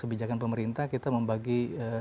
kebijakan pemerintah kita membagi